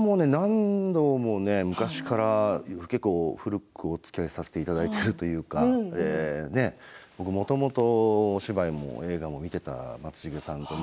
昔から何度もね古くおつきあいをさせていただいているというかもともとお芝居も映画も見ていた松重さん